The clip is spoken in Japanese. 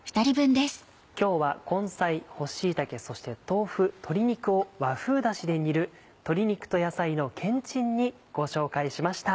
今日は根菜干し椎茸そして豆腐鶏肉を和風だしで煮る「鶏肉と野菜のけんちん煮」ご紹介しました。